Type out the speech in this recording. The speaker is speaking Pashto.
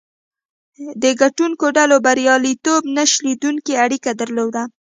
د ګټونکو ډلو بریالیتوب نه شلېدونکې اړیکه درلوده.